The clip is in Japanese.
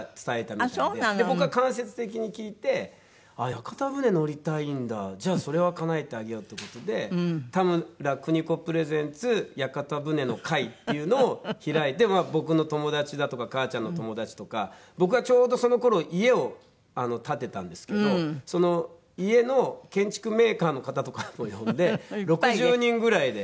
僕は間接的に聞いてあっ屋形船乗りたいんだじゃあそれはかなえてあげようっていう事で田村久仁子プレゼンツ屋形船の会っていうのを開いて僕の友達だとか母ちゃんの友達とか僕がちょうどその頃家を建てたんですけどその家の建築メーカーの方とかも呼んで６０人ぐらいで屋形船。